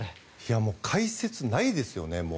もう解説ないですよね。